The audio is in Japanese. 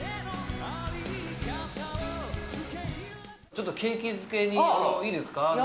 ちょっと景気づけにいいですか？